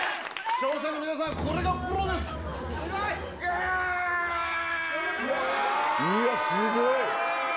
視聴者の皆さん、これがプロいや、すごい。